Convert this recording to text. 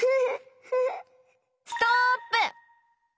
ストップ！